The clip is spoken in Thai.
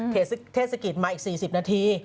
เทศกิจมาอีก๔๐นาที